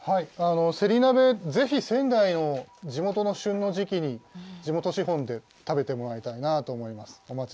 せり鍋、ぜひ、仙台の地元の旬の時期に、地元しほんで食べてもらいたいなと思います。